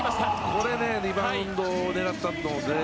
これ、リバウンド狙ったと思います。